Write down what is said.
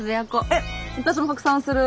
えっ私も拡散する。